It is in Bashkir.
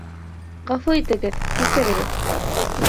Ғәфү итегеҙ. Кисерегеҙ.